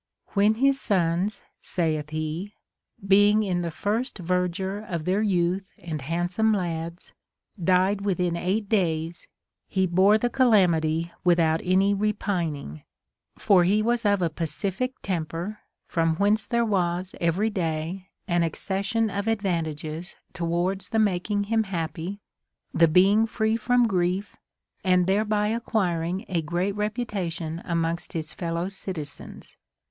" When his sons," saith he, " being in the first ver dure of their youth and handsome lads, died within eigiit days, he bore the calamity without any repining ; for he was CONSOLATION TO APOLLONIUS. 333 of a pacific temper, from whence there was every day an accession of advantages towards the making him happy, the being free from grief, and thereby acquiring a great repu tation amongst his fellow citizens.